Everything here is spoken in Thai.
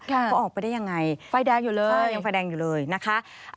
เขาออกไปได้ยังไงไฟแดงอยู่เลยยังไฟแดงอยู่เลยนะคะ